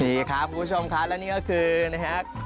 นี่ครับคุณผู้ชมครับและนี่ก็คือนะครับ